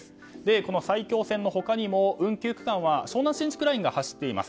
この埼京線の他にも運休区間は湘南新宿ラインが走っています。